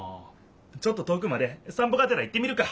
ちょっと遠くまでさん歩がてら行ってみるか！